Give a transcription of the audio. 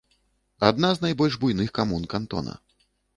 Адна з найбольш буйных камун кантона.